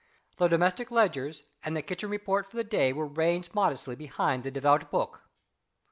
The domestic ledgers, and the kitchen report for the day, were ranged modestly behind the devout book.